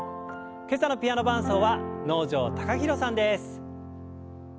今朝のピアノ伴奏は能條貴大さんです。